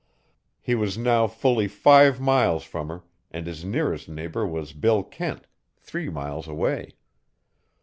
He was now fully five miles from her, and his nearest neighbor was Bill Kent, three miles away.